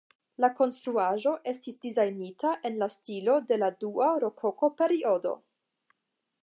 La konstruaĵo estis dizajnita en la stilo de la dua rokoko-periodo.